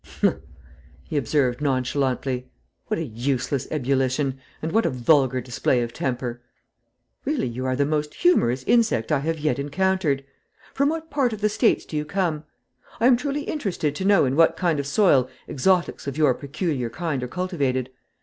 "Humph!" he observed, nonchalantly. "What a useless ebullition, and what a vulgar display of temper! Really you are the most humorous insect I have yet encountered. From what part of the States do you come? I am truly interested to know in what kind of soil exotics of your peculiar kind are cultivated.